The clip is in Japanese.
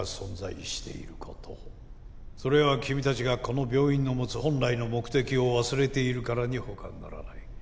それは君たちがこの病院の持つ本来の目的を忘れているからに他ならない。